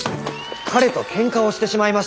「彼とケンカをしてしまいました」。